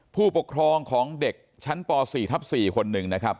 ผู้ปกครองของเด็กชั้นป๔ทับ๔คนหนึ่งนะครับ